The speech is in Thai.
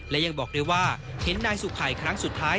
และยังบอกด้วยว่าเห็นนายสุภัยครั้งสุดท้าย